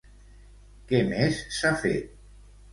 Què més s'ha fet?